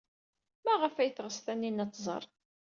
Maɣef ay teɣs Taninna ad tẓer?